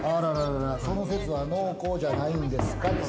その節は濃厚じゃないんですか？